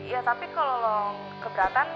ya tapi kalo lo keberatan